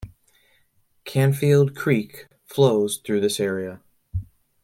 Canfield Creek flows through the area.